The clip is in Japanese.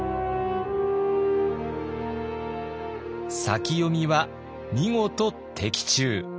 先読みは見事的中。